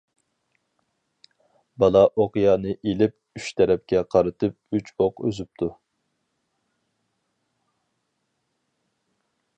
بالا ئوقيانى ئېلىپ ئۈچ تەرەپكە قارىتىپ ئۈچ ئوق ئۈزۈپتۇ.